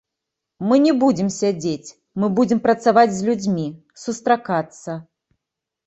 Мы не будзем сядзець, мы будзем працаваць з людзьмі, сустракацца.